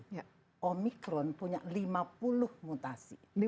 jadi omikron punya lima puluh mutasi